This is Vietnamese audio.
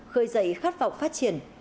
cười dậy khát vọng phát triển